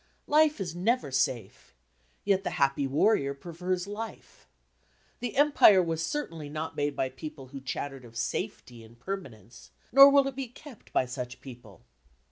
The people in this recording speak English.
Life is never safe, yet the happy warrior prefers life. The Empire was certainly not made by people who chattered of safety and permanence, nor will it be kept by such people.